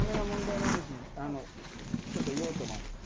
ちょっと用途もあるから。